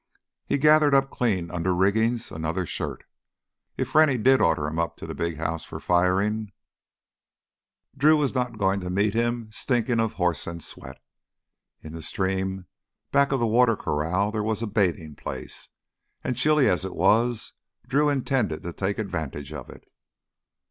He gathered up clean underrigging, another shirt. If Rennie did order him up to the big house for firing, Drew was not going to meet him stinking of horse and sweat. In the stream back of the water corral there was a bathing place, and chilly as it was, Drew intended to take advantage of it.